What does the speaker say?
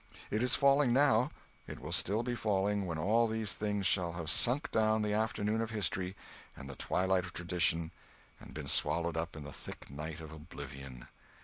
It is falling now; it will still be falling when all these things shall have sunk down the afternoon of history, and the twilight of tradition, and been swallowed up in the thick night of oblivion.